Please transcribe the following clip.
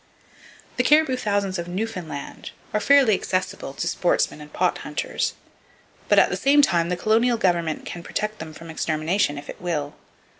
The caribou thousands of Newfoundland are fairly accessible to sportsmen and pot hunters, but at the same time the colonial government can protect them from extermination if it will.